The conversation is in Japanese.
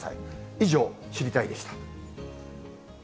以上、知りたいッ！でした。